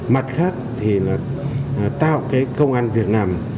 mặt khác thì là tạo công an việt nam